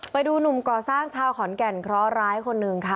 ไปดูหนุ่มก่อสร้างชาวขอนแก่นเคราะหร้ายคนหนึ่งค่ะ